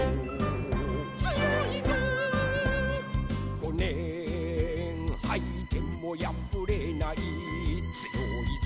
「ごねんはいてもやぶれないつよいぞ」